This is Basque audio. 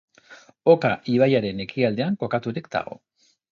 Oka ibaiaren ekialdean kokaturik dago.